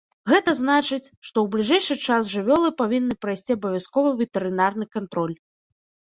Гэта значыць, што ў бліжэйшы час жывёлы павінны прайсці абавязковы ветэрынарны кантроль.